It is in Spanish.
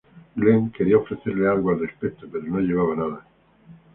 Glenn quería ofrecerle algo al respecto, pero no llevaba nada.